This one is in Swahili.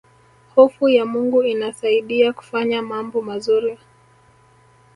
hofu ya mungu inasaidia kufanya mambo mazuri